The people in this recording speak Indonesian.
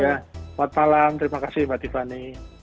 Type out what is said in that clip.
selamat malam terima kasih mbak tiffany